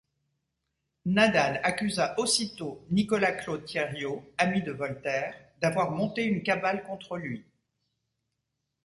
Nadal accusa aussitôt Nicolas-Claude Thieriot, ami de Voltaire, d'avoir monté une cabale contre lui.